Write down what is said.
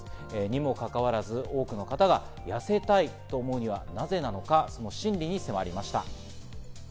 にもかかわらず多くの方が痩せたいと思うのはなぜなのか、その心理に迫りました。